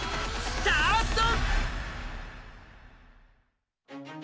スタート！